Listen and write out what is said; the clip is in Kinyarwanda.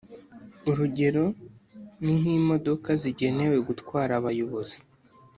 Urugero ni nk imodoka zigenewe gutwara abayobozi